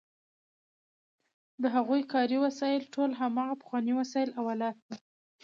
د هغوی کاري وسایل ټول هماغه پخواني وسایل او آلات وو.